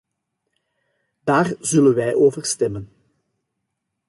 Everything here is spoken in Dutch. Daar zullen wij over stemmen.